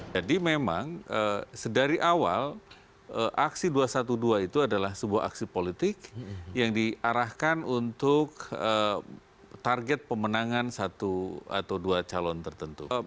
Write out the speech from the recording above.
jadi memang dari awal aksi dua ratus dua belas itu adalah sebuah aksi politik yang diarahkan untuk target pemenangan satu atau dua calon tertentu